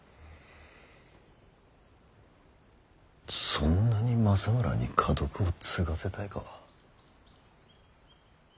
そんなに政村に家督を継がせたいか。